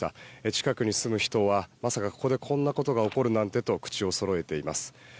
近くに住む人はまさかここでこんなことが起こるなんてと口をそろえています。